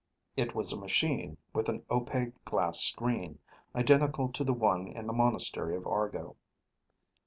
It was a machine with an opaque glass screen, identical to the one in the monastery of Argo.